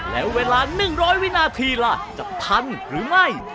แล้วเวลา๑๐๐วินาทีล่ะจะทันหรือไม่